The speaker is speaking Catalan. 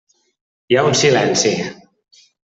Hi ha un silenci.